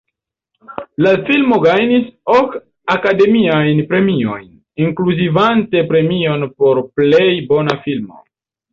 La filmo gajnis ok Akademiajn Premiojn, inkluzivante premion por plej bona filmo.